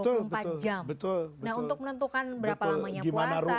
nah untuk menentukan berapa lamanya puasa